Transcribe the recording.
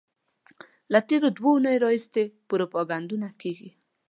له تېرو دوو اونیو راهیسې پروپاګندونه کېږي.